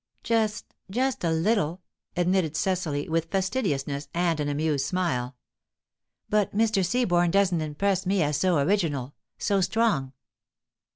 "Just just a little," admitted Cecily, with fastidiousness and an amused smile. "But Mr. Seaborne doesn't impress me as so original, so strong."